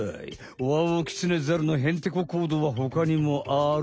ワオキツネザルのヘンテコ行動はほかにもある。